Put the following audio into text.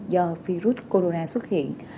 do virus corona xuất hiện